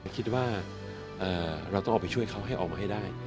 คิดว่าเราต้องออกไปช่วยเขาให้ออกมาให้ได้